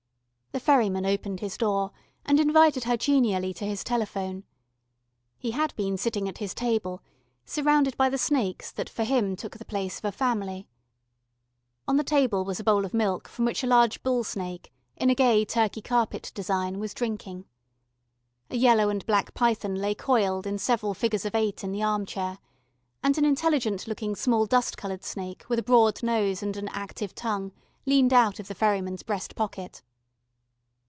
The ferryman opened his door, and invited her genially to his telephone. He had been sitting at his table, surrounded by the snakes that for him took the place of a family. On the table was a bowl of milk from which a large bull snake, in a gay Turkey carpet design, was drinking. A yellow and black python lay coiled in several figures of eight in the armchair, and an intelligent looking small dust coloured snake with a broad nose and an active tongue leaned out of the ferryman's breast pocket.